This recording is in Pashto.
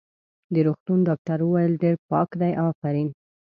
د روغتون ډاکټر وویل: ډېر پاک دی، افرین.